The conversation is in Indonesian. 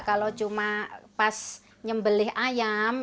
kalau cuma pas nyembelih ayam